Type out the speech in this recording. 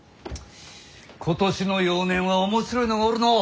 今年の幼年は面白いのがおるのう。